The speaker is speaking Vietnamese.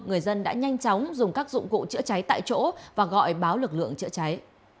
người dân đã nhanh chóng dùng các dụng cụ chữa cháy tại chỗ và gọi báo lực lượng chữa cháy